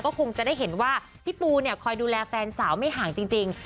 คงจะได้เห็นว่าพี่ปูเนี่ยคอยดูแลแฟนสาวไม่ห่างจริง